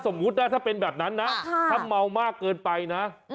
สมมุตินะถ้าเป็นแบบนั้นนะถ้าเมามากเกินไปนะ